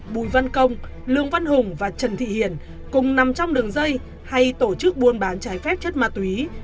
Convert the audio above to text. bùi văn công lương văn hùng và trần thị hiền cùng nằm trong đường dây hay tổ chức buôn bán trái phép chất ma túy